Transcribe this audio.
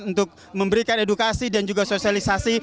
untuk memberikan edukasi dan juga sosialisasi